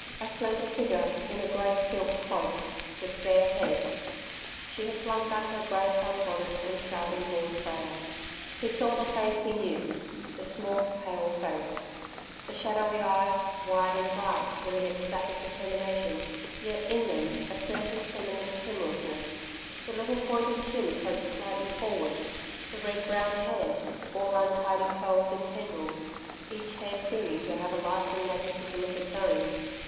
A slender figure in a grey silk cloak, with bare head she had flung back her grey sun bonnet and shrouding gauze veil.... He saw the face he knew the small, pale face; the shadowy eyes, wide and bright with an ecstatic determination, yet in them a certain feminine timorousness; the little pointed chin poked slightly forward; the red brown hair all untidy curls and tendrils, each hair seeming to have a life and magnetism of its own.